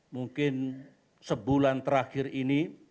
mungkin sebulan terakhir ini